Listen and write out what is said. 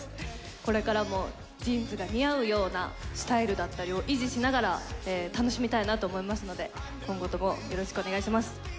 これからもジーンズが似合うようなスタイルだったりを維持しながら楽しみたいなと思いますので、今後ともよろしくお願いします。